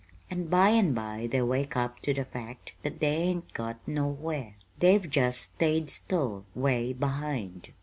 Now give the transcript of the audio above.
And by and by they wake up to the fact that they hain't got nowhere. They've just stayed still, 'way behind.